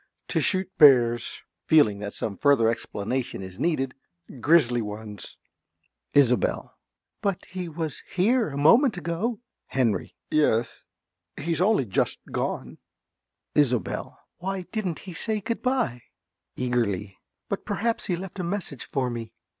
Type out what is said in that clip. To shoot bears. (Feeling that some further explanation is needed.) Grizzly ones. ~Isobel.~ But he was here a moment ago. ~Henry.~ Yes, he's only just gone. ~Isobel.~ Why didn't he say good bye? (Eagerly.) But perhaps he left a message for me?